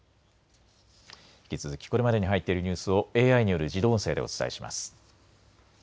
引き続きこれまでに入っているニュースをＡＩによる自動音声でお伝えします。